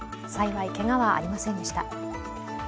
幸いけがはありませんでした。